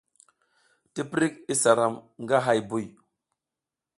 Tiprik isa ram nga hay buy.